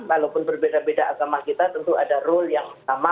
walaupun berbeda beda agama kita tentu ada rule yang sama